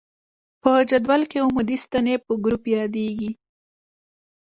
په جدول کې عمودي ستنې په ګروپ یادیږي.